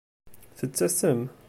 Tettessem?